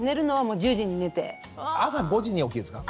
朝５時に起きるんですか？